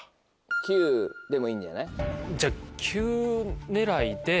９でもいいんじゃない？